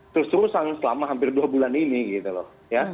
terus terusan selama hampir dua bulan ini gitu loh